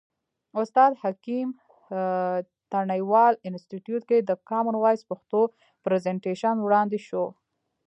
استاد حکیم تڼیوال انستیتیوت کې د کامن وایس پښتو پرزنټیشن وړاندې شو.